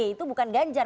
itu bukan ganjar